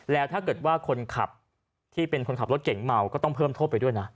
แล้วถ้าเกิดว่าคนขับที่เป็นคนขับรถเก่งเมาก็ต้องเพิ่มโทษไปด้วยนะ